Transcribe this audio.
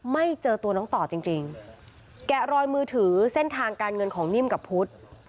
ไม่เจอตัวน้องต่อจริงจริงแกะรอยมือถือเส้นทางการเงินของนิ่มกับพุทธ